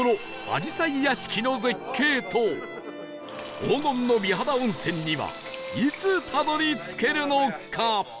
あじさい屋敷の絶景と黄金の美肌温泉にはいつたどり着けるのか？